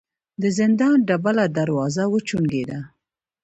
د زندان ډبله دروازه وچونګېده.